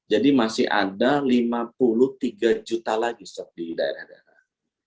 jadi masih ada lima puluh tiga juta lagi stok di daerah daerah